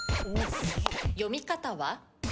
読み方は？